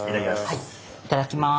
はいいただきます。